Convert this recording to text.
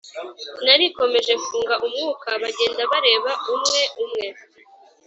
narikomeje mfunga umwuka bagenda bareba umwe umwe